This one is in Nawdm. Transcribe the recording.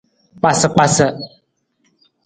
Kpasakpasa.